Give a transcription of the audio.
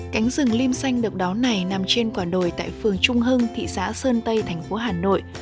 cánh rừng lim xanh độc đáo này nằm trên quả đồi tại phường trung hưng thị xã sơn tây thành phố hà nội